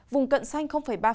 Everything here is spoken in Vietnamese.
vùng cận xanh ba